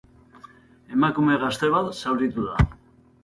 Emakume gazte bat zauritu da.